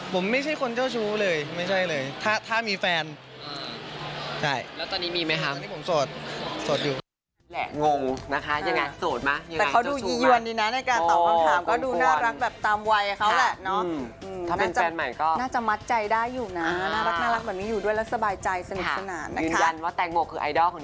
ผมไม่ใช่คนเจ้าชู้เลยไม่ใช่เลยถ้ามีแฟนแล้วตอนนี้มีไหมคะตอนนี้ผมโสดโสดอยู่